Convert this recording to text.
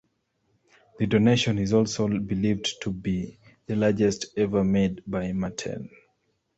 The donation is also believed to be the largest ever made by Mattel.